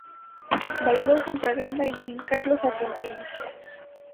Bailó junto al gran bailarín Carlos Argentino.